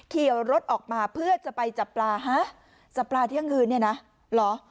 ขี่รถออกมาเพื่อจะไปจับปลาฮะจับปลาเที่ยงคืนเนี่ยนะเหรอ